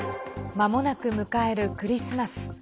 まもなく迎えるクリスマス。